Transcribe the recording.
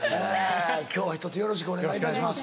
今日はひとつよろしくお願いいたします。